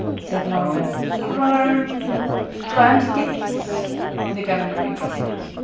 said Norman. "Grurm ?" "Grurmstipths," the Governor repeated.